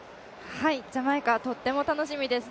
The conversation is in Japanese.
ジャマイカ、とっても楽しみです。